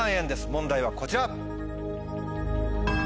問題はこちら。